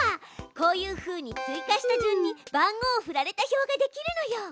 こういうふうに追加した順に番号をふられた表ができるのよ。